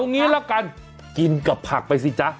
งี้ละกันกินกับผักไปสิจ๊ะ